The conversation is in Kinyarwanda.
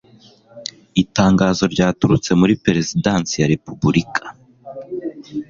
Itangazo ryaturutse muri Perezidansi ya Repubulika